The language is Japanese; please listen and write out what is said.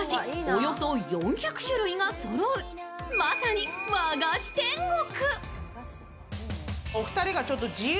およそ４００種類がそろう、まさに和菓子天国。